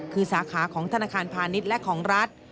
คือสาขาของธนาคารพาณิชย์และของรัฐ